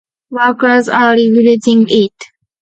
Workers are rebuilding it.